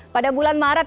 pada bulan maret